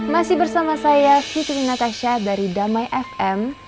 masih bersama saya siti natasha dari damai fm